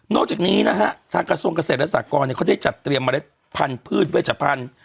จากนี้นะฮะทางกระทรวงเกษตรและสากรเขาได้จัดเตรียมเมล็ดพันธุ์พืชเวชพันธุ์